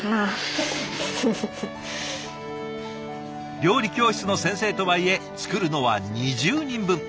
料理教室の先生とはいえ作るのは２０人分。